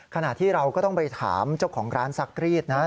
ขณะที่เราก็ต้องไปถามเจ้าของร้านซักรีดนะ